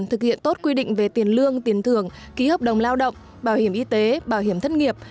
thực hiện tốt quy định về tiền lương tiền thưởng ký hợp đồng lao động bảo hiểm y tế bảo hiểm thất nghiệp